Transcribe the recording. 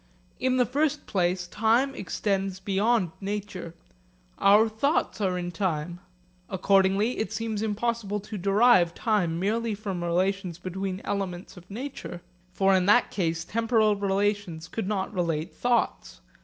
In the first place time extends beyond nature. Our thoughts are in time. Accordingly it seems impossible to derive time merely from relations between elements of nature. For in that case temporal relations could not relate thoughts.